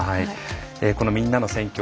この「みんなの選挙」